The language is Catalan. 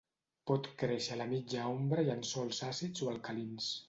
Pot créixer a la mitja ombra i en sòls àcids o alcalins.